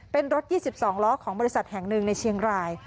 เป็นรถ๒๒ล้อของบริษัทแห่งหนึ่งในเชียงราย